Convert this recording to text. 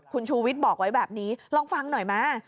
คุณชูวิทย์บอกไว้แบบนี้ลองฟังหน่อยไหม